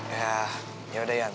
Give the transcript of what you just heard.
ya yaudah ian